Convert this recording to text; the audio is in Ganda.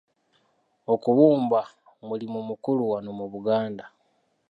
Okubumba mulimu mukulu wano mu Buganda.